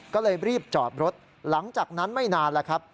ก็เลยรีบจอดรถหลังจากนั้นไม่นานแล้วครับ